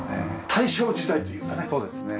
大正時代というかね。